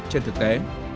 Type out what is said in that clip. trên thực tế